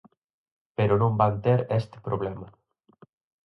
Pero non van ter este problema.